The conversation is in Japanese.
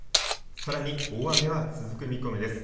さらに大雨は続く見込みです。